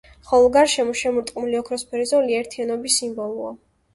ხოლო გარშემო შემორტყმული ოქროსფერი ზოლი ერთიანობის სიმბოლოა.